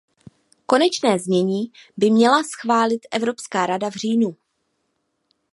Konečné znění by měla schválit Evropská rada v říjnu.